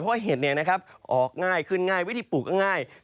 เพราะว่าเห็ดนี่นะครับออกง่ายขึ้นง่ายวิธีปลูกง่าย